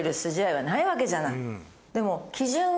でも。